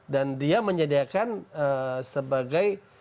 dan dia menyediakan sebagai